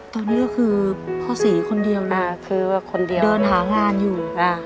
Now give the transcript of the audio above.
ตอนนี้ก็คือพ่อศรีคนเดียวคือว่าเดินหางานอยู่